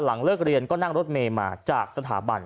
เลิกเรียนก็นั่งรถเมย์มาจากสถาบัน